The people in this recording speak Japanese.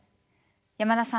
山田さん